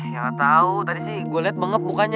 ya lo tau tadi sih gue liat mengep mukanya